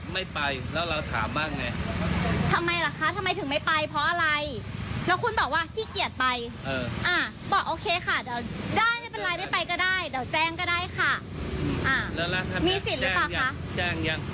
เดี๋ยวแจ้งก็ได้ค่ะอ่าแล้วล่ะมีสิทธิ์หรือเปล่าคะแจ้งยัง